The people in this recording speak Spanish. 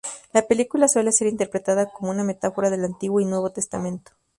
La película suele ser interpretada como una metáfora del Antiguo y Nuevo Testamento.